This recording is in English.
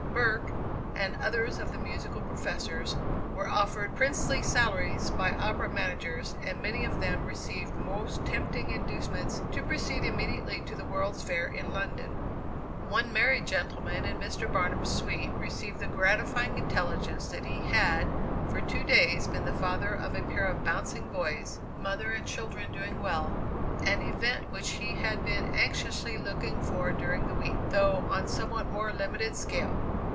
Burke, and others of the musical professors, were offered princely salaries by opera managers, and many of them received most tempting inducements to proceed immediately to the World's Fair in London. "One married gentleman in Mr. Barnum's suite received the gratifying intelligence that he had for two days been the father of a pair of bouncing boys (mother and children doing well), an event which he had been anxiously looking for during the week, though on a somewhat more limited scale.